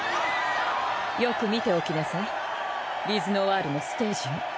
よく見ておきなさいＬｉｚＮｏｉｒのステージを。